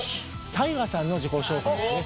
大我さんの自己紹介ですね。